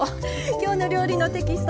「きょうの料理」テキスト